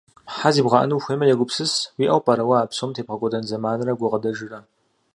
Хьэ зибгъэӏэну ухуеймэ, егупсыс, уиӏэу пӏэрэ уэ а псом тебгъэкӏуэдэн зэманрэ гукъыдэжрэ.